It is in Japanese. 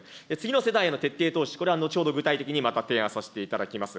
次の世代への徹底投資、これは後ほど具体的にまた提案させていただきます。